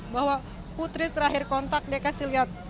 bahwa putri terakhir kontak dia kasih lihat